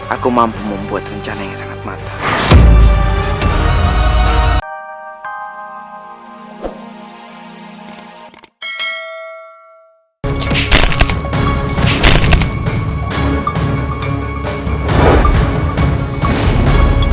aku mampu membuat rencana yang sangat matang